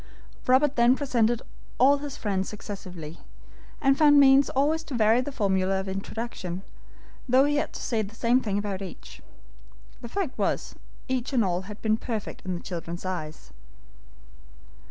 Robert then presented all his friends successively, and found means always to vary the formula of introduction, though he had to say the same thing about each. The fact was, each and all had been perfect in the children's eyes.